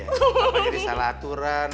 bapak jadi salah aturan